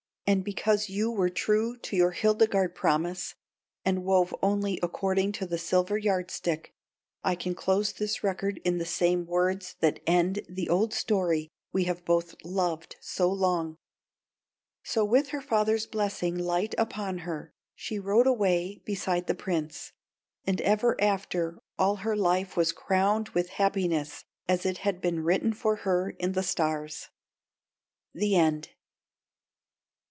And because you were true to your Hildegarde promise and wove only according to the silver yardstick, I can close this record in the same words that end the old story we have both loved so long: "_So with her father's blessing light upon her, she rode away beside the prince; and ever after all her life was crowned with happiness as it had been written for her in the stars!_" THE END.